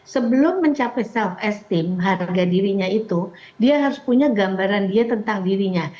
sebelum mencapai self esteem harga dirinya itu dia harus punya gambaran dia tentang dirinya